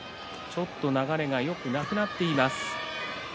ちょっと流れがよくなくなっています。